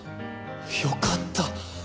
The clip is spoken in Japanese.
よかった！